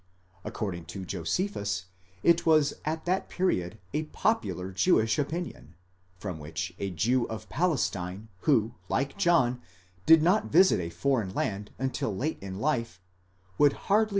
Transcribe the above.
According to Josephus it was at that period. a popular Jewish opinion, from which a Jew of Palestine who, like John, did not visit a foreign land until late in life, would hardly be in a condition to 49 Exeg.